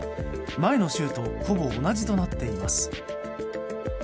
前の週とほぼ同じとなっています。